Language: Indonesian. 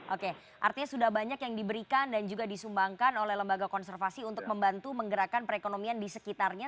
oke artinya sudah banyak yang diberikan dan juga disumbangkan oleh lembaga konservasi untuk membantu menggerakkan perekonomian di sekitarnya